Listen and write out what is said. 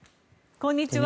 こんにちは。